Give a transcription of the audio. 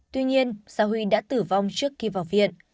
tuy nhiên sa huy đã tử vong trước khi vào viện